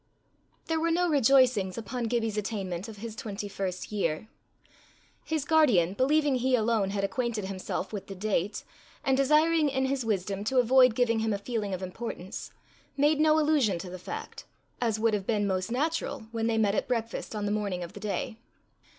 There were no rejoicings upon Gibbie's attainment of his twenty first year. His guardian, believing he alone had acquainted himself with the date, and desiring in his wisdom to avoid giving him a feeling of importance, made no allusion to the fact, as would have been most natural, when they met at breakfast on the morning of the day.